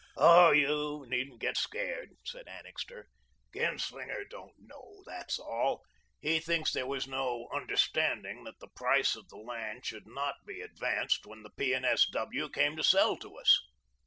"Oh, you needn't get scared," said Annixter. "Genslinger don't know, that's all. He thinks there was no understanding that the price of the land should not be advanced when the P. and S. W. came to sell to us."